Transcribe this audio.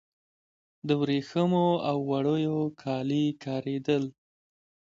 د وریښمو او وړیو کالي کاریدل